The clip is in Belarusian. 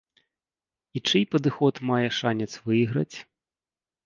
І чый падыход мае шанец выйграць?